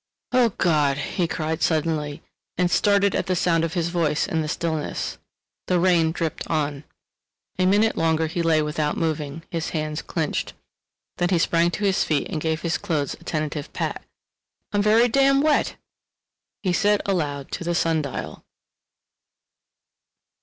"Oh, God!" he cried suddenly, and started at the sound of his voice in the stillness. The rain dripped on. A minute longer he lay without moving, his hands clinched. Then he sprang to his feet and gave his clothes a tentative pat. "I'm very damn wet!" he said aloud to the sun dial.